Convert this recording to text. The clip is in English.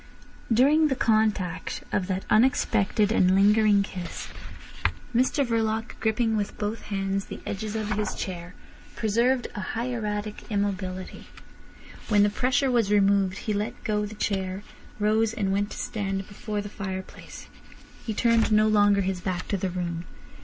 During the contact of that unexpected and lingering kiss Mr Verloc, gripping with both hands the edges of his chair, preserved a hieratic immobility. When the pressure was removed he let go the chair, rose, and went to stand before the fireplace. He turned no longer his back to the room.